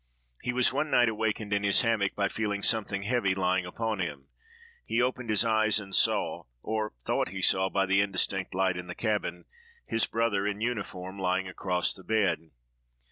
He was one night awakened in his hammock, by feeling something heavy lying upon him. He opened his eyes, and saw, or thought he saw, by the indistinct light in the cabin, his brother, in uniform, lying across the bed.